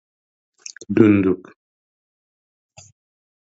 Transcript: — Dunduk!